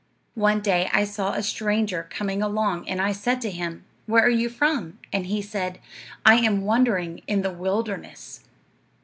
One day I saw a stranger coming along, and I said to him, 'Where are you from?' and he said, 'I am wandering in the wilderness.'